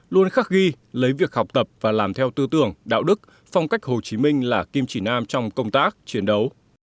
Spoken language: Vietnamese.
luôn khắc ghi lấy việc học tập và làm theo tư tưởng đạo đức phong cách hồ chí minh là kim chỉ nam trong công tác chiến đấu